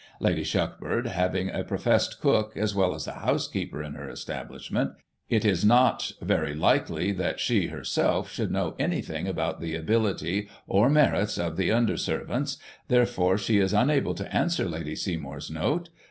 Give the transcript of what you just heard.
Lady Shuckburgh having a professed cook, as well as a housekeeper, in her establishment, it is not very likely she, her self, should know anything about the ability or merits of the under servants ; therefore she is unable to answer Lady Seymour's note.